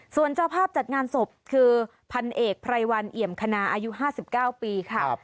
ส่วนเจ้าภาพจัดงานศพคือพันเอกไพรวันเอี่ยมคณาอายุ๕๙ปีค่ะ